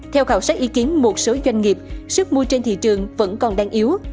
theo khảo sát ý kiến một số doanh nghiệp sức mua trên thị trường vẫn còn đang yếu